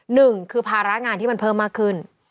หนึ่งคือภาระงานที่มันเพิ่มมากขึ้น